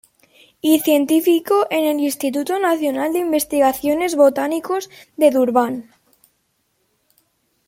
Y científico en el "Instituto Nacional de Investigaciones Botánicos de Durban".